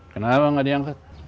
kenapa gak diangkat